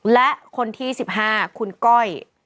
และคนที่๑๕คุณก้อย